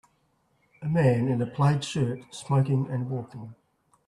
A man in a plaid shirt smoking and walking.